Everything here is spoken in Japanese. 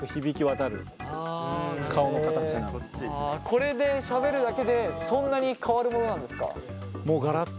これでしゃべるだけでそんなに変わるものなんですか？